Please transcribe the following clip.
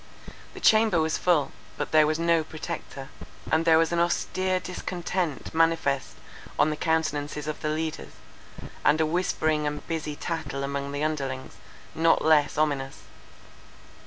The chamber was full—but there was no Protector; and there was an austere discontent manifest on the countenances of the leaders, and a whispering and busy tattle among the underlings, not less ominous.